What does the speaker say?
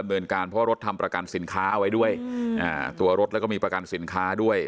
เดินการเพราะรถทำประกันสินค้าเอาไว้ด้วยตัวรถแล้วก็มีประกันสินค้าด้วย